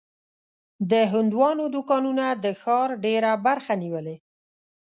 د هندوانو دوکانونه د ښار ډېره برخه نیولې.